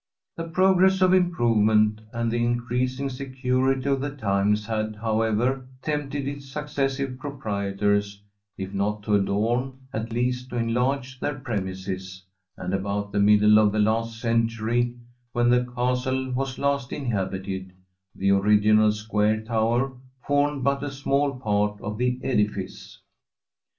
The progress of improvement and the increasing security of the times had, however, tempted its successive proprietors, if not to adorn, at least to enlarge their premises, and about the middle of the last century, when the castle was last inhabited, the original square tower formed but a small part of the edifice.